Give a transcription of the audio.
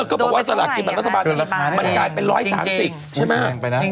ก็บอกว่าสลากกินแบบรัฐบาลมันกลายเป็น๑๓๐ใช่ไหม